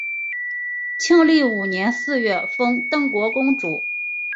庆历五年四月封邓国公主。